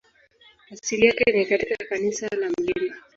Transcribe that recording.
Asili yake ni katika kanisa la Mt.